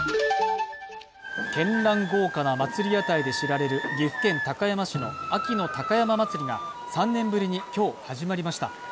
けんらん豪華な祭屋台で知られる岐阜県高山市の秋の高山祭が３年ぶりに今日、始まりました。